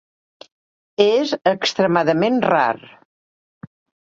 És extremadament rar.